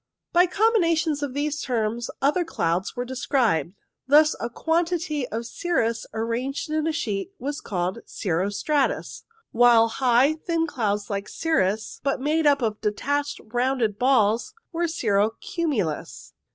By combinations of these terms other clouds were described. Thus, a quantity of cirrus arranged in a sheet was called cirro stratus, while high, thin clouds like cirrus, but made up of detached rounded balls, was cirro cumulus.